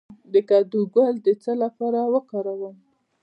د کدو ګل د څه لپاره وکاروم؟